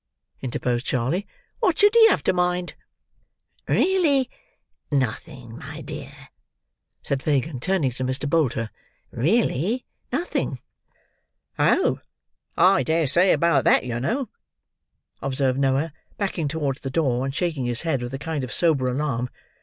interposed Charley. "What should he have to mind?" "Really nothing, my dear," said Fagin, turning to Mr. Bolter, "really nothing." "Oh, I dare say about that, yer know," observed Noah, backing towards the door, and shaking his head with a kind of sober alarm.